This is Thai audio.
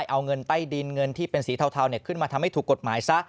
เอาเงินใต้ดินเงินที่เป็นสีเทาขึ้นมาทำให้ถูกกฎหมายซะ